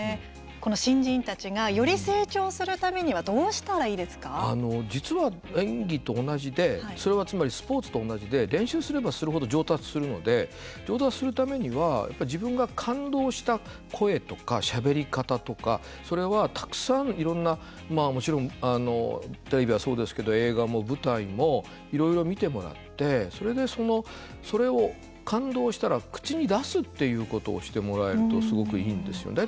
この新人たちがより成長するためにはあの、実は演技と同じでそれはつまりスポーツと同じで練習すればするほど上達するので上達するためには自分が感動した声とかしゃべり方とかそれはたくさん、いろんなもちろんテレビはそうですけど映画も舞台もいろいろ見てもらってそれで、それを感動したら口に出すっていうことをしてもらえるとすごくいいんですよね。